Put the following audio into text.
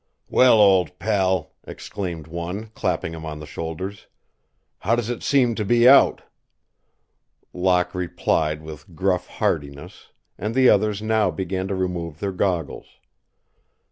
"Well, old pal," exclaimed one, clapping him on the shoulders, "how does it seem to be out?" Locke replied with gruff heartiness, and the others now began to remove their goggles.